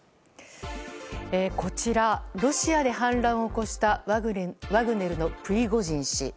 こちらロシアで反乱を起こしたワグネルのプリゴジン氏。